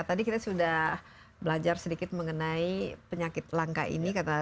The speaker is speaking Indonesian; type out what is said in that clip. tadi kita sudah belajar sedikit mengenai penyakit langka ini